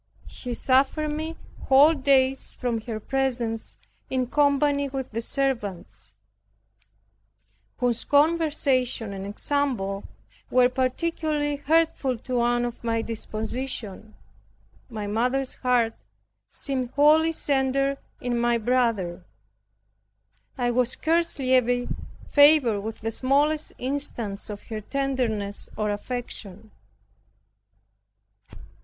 She suffered me whole days from her presence in company with the servants, whose conversation and example were particularly hurtful to one of my disposition. My mother's heart seemed wholly centered in my brother. I was scarcely ever favored with the smallest instance of her tenderness or affection.